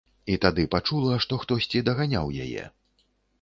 І тады пачула, што хтосьці даганяў яе.